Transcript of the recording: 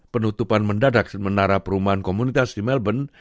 penutupan mendadak menara perumahan komunitas di melbourne